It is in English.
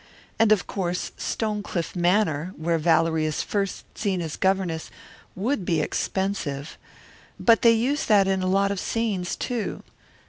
And of course Stonecliff Manor, where Valerie is first seen as governess, would be expensive; but they use that in a lot of scenes, too.